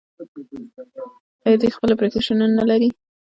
آیا دوی خپل اپلیکیشنونه نلري؟